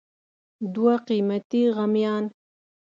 دوه قیمتي غمیان